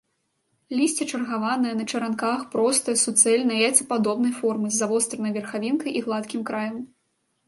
Лісце чаргаванае, на чаранках, простае, суцэльнае, яйцападобнай формы, з завостранай верхавінкай і гладкім краем.